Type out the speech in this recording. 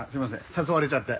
誘われちゃって。